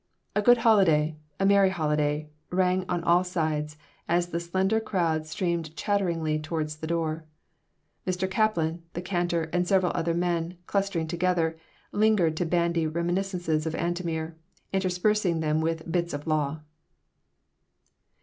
"A good holiday! A merry holiday!" rang on all sides, as the slender crowd streamed chatteringly toward the door Mr. Kaplan, the cantor, and several other men, clustering together, lingered to bandy reminiscences of Antomir, interspersing them with "bits of law."